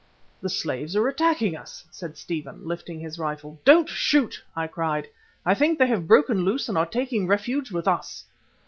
"The slaves are attacking us," said Stephen, lifting his rifle. "Don't shoot," I cried. "I think they have broken loose and are taking refuge with us."